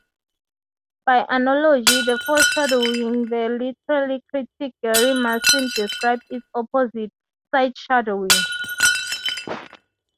By analogy to foreshadowing, the literary critic Gary Morson described its opposite, sideshadowing.